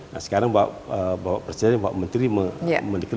nah sekarang pak presiden pak menteri mendekatkan